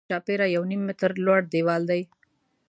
له ونې چار چاپېره یو نیم متر لوړ دیوال دی.